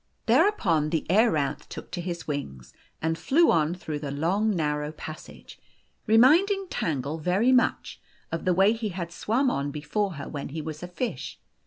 Thereupon the aerauth took to his wings, and flew on through the long, narrow passage, reminding Tangle very much of the way he had swum on before when he was a fish.